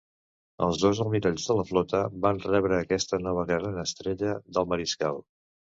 Els dos almiralls de la flota van rebre aquesta nova "gran" estrella de mariscal.